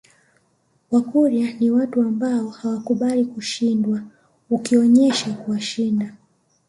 Wakurya ni watu ambao hawakubali kushindwa ukionesha kuwashinda